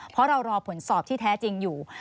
เพราะเรารอผลสอบที่แท้จริงอยู่